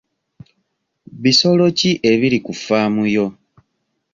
Bisolo ki ebiri ku ffaamu yo?